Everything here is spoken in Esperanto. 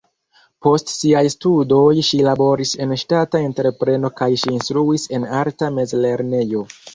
Post siaj studoj ŝi laboris en ŝtata entrepreno kaj ŝi instruis en arta mezlernejo.